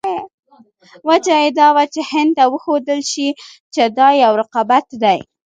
وجه یې دا وه چې هند ته وښودل شي چې دا یو رقابت دی.